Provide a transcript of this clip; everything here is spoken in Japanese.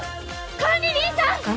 管理人さん！